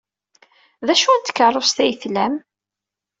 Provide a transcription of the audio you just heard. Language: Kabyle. D acu n tkeṛṛust ay tlam?